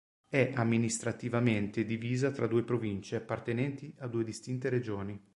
È amministrativamente divisa tra due province appartenenti a due distinte regioni.